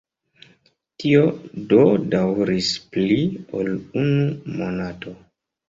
Tio do daŭris pli ol unu monato.